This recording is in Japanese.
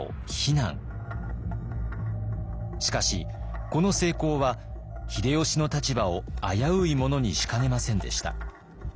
しかしこの成功は秀吉の立場を危ういものにしかねませんでした。